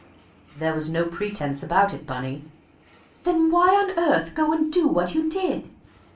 "There was no pretence about it, Bunny." "Then why on earth go and do what you did?"